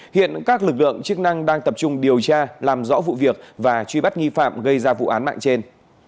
hiện các lực lượng chức năng đang tập trung điều tra làm rõ vụ việc và truy bắt nghi phạm gây ra vụ án mạng trên